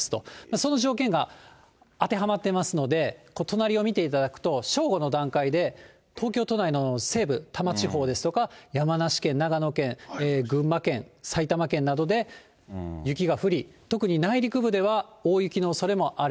その条件が当てはまっていますので、隣を見ていただくと正午の段階で、東京都内の西部、多摩地方ですとか、山梨県、長野県、群馬県、埼玉県などで雪が降り、特に内陸部では大雪のおそれもある。